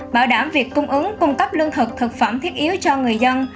bảo đảm việc cung ứng cung cấp lương thực thực phẩm thiết yếu cho người dân